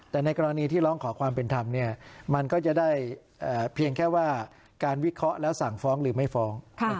แต่ในกรณีที่ร้องขอความเป็นธรรมมันก็จะได้เพียงแค่ว่าการวิเคราะห์แล้วสั่งฟ้องหรือไม่ฟ้อง